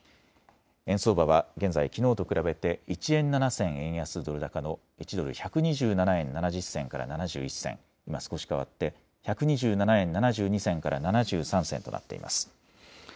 円相場は現在、きのうと比べて１円７銭円安ドル高の１ドル１２７円７０銭から７１銭、今、少し変わって１２７円７２銭から７３銭となっています。